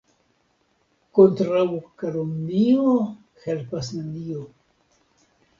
Kontraŭ kalumnio helpas nenio.